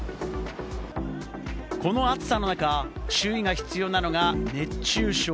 この暑さの中、注意が必要なのが熱中症。